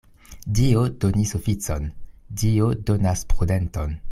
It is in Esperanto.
Dio donis oficon, Dio donas prudenton.